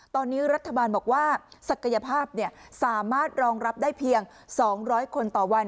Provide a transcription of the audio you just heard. ตอนนี้รัฐบาลบอกว่าศักยภาพสามารถรองรับได้เพียง๒๐๐คนต่อวัน